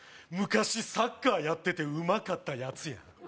昔サッカーやっててうまかった奴やん